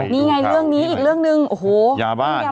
นี่ไงเรื่องนี้อีกเรื่องหนึ่งโอ้โหยาบ้า